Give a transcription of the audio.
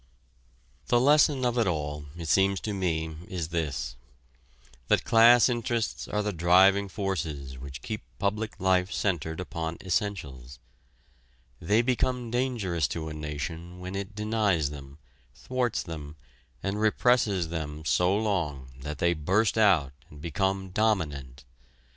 The lesson of it all, it seems to me, is this: that class interests are the driving forces which keep public life centered upon essentials. They become dangerous to a nation when it denies them, thwarts them and represses them so long that they burst out and become dominant.